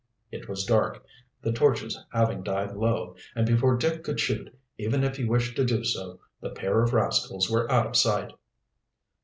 It was dark, the torches having died low, and before Dick could shoot, even if he wished to do so, the pair of rascals were out of sight.